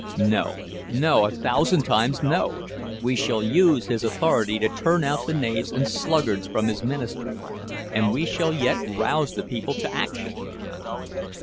No, no, a thousand times no!—we shall use his authority to turn out the knaves and sluggards from his ministry, and we shall yet rouse the people to action!